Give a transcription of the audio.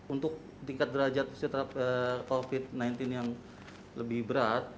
untuk tingkat derajat fisiterapi covid sembilan belas yang lebih berat